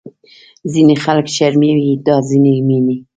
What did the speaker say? ځینې خلک شرموي دا ځینې مینې